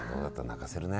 泣かせるね。